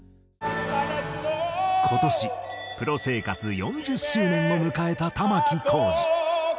今年プロ生活４０周年を迎えた玉置浩二。